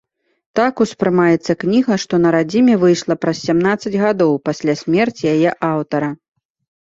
Так успрымаецца кніга, што на радзіме выйшла праз сямнаццаць гадоў пасля смерці яе аўтара.